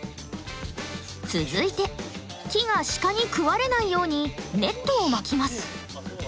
続いて木が鹿に食われないようにネットを巻きます。